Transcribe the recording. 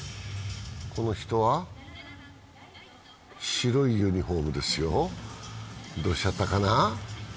この人は白いユニフォームですよ、どうしちゃったかな？